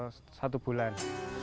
sekitar satu bulan